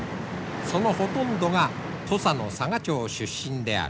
そのほとんどが土佐の佐賀町出身である。